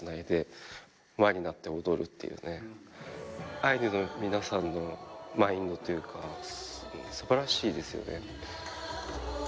アイヌの皆さんのマインドというかすばらしいですよね。